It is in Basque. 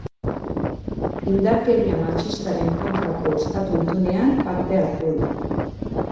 Indarkeria matxistaren kontrako estatu itunean parte hartu du.